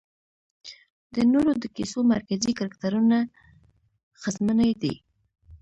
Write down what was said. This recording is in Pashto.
د نورو د کيسو مرکزي کرکټرونه ښځمنې دي